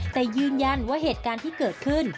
แต่ยืนยันว่าเหตุการณ์ที่เกิดขึ้น